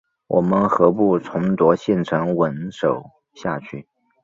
我们何不重夺县城稳守下去？